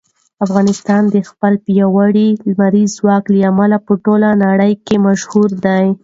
افغانستان د خپل پیاوړي لمریز ځواک له امله په ټوله نړۍ کې مشهور دی.